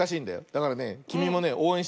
だからねきみもねおうえんしてくれ。